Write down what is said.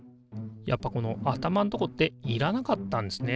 やっぱこの頭んとこっていらなかったんですね。